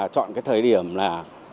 chọn cái thời điểm là